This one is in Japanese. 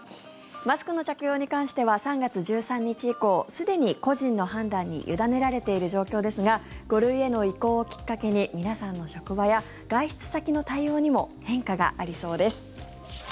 マスクの着用に関しては３月１３日以降すでに個人の判断に委ねられている状況ですが５類への移行をきっかけに皆さんの職場や外出先の対応にも変化がありそうです。